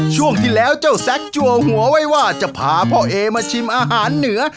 ช่วงที่แล้วเจ้าแซ็กจัวหัวไว้ว่าจะพาพ่อเอมาชิมอาหารเหนือ